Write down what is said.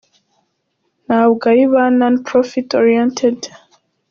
Ntabwo ari ba none profit oriented.